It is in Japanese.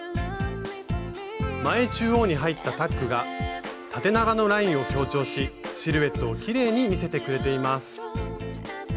前中央に入ったタックが縦長のラインを強調しシルエットをきれいに見せてくれています。